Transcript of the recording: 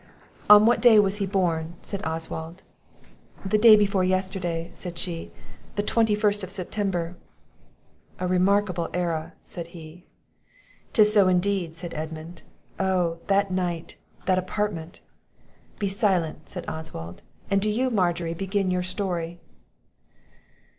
"On what day was he born," said Oswald? "The day before yesterday," said she, "the 21st of September." "A remarkable era," said he. "'Tis so, indeed," said Edmund; "Oh, that night! that apartment!" "Be silent," said Oswald; "and do you, Margery, begin your story."